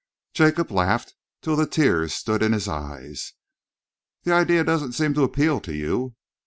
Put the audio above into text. Jacob laughed till the tears stood in his eyes. "The idea doesn't seem to appeal to you!"